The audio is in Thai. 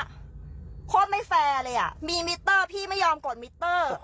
โคตรไม่แฟร์เลยอ่ะมีมิเตอร์พี่ไม่ยอมกดมิเตอร์